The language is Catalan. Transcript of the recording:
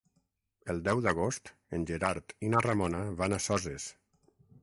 El deu d'agost en Gerard i na Ramona van a Soses.